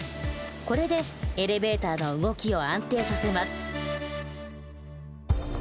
これでエレベーターの動きを安定させます。